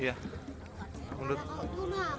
jauh jauh aja lah